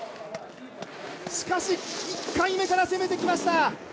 しかし、１回目から攻めてきました。